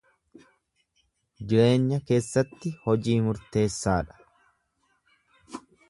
Jireenya keessatti hojii murteessa dha.